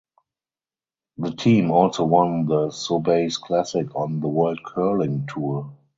The team also won the Sobeys Classic on the World Curling Tour.